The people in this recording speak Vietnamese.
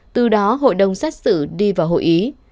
từ đó hội đồng xét xử đi vào hội ý